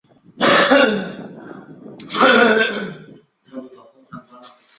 沙斐仪学派规定了五个权威的教法来源。